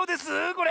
これ。